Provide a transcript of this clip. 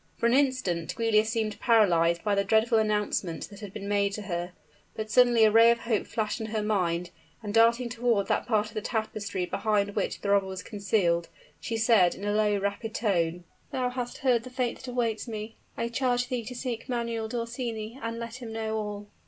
For an instant Giulia seemed paralyzed by the dreadful announcement that had been made to her; but suddenly a ray of hope flashed on her mind, and darting toward that part of the tapestry behind which the robber was concealed, she said, in a low and rapid tone: "Thou hast heard the fate that awaits me. I charge thee to seek Manuel d'Orsini, and let him know all."